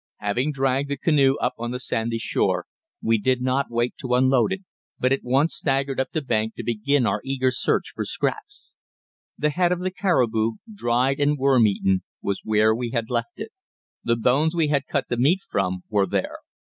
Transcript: Having dragged the canoe up on the sandy shore, we did not wait to unload it, but at once staggered up the bank to begin our eager search for scraps. The head of the caribou, dried and worm eaten, was where we had left it. The bones we had cut the meat from were there.